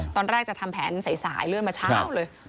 ตอนแรกจะทำแผนสายเลื่อนมาเช้าเลย